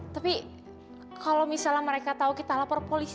tapi kalo misalnya mereka tau kita lapor polisi